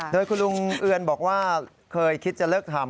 โดยคุณลุงเอือนบอกว่าเคยคิดจะเลิกทำ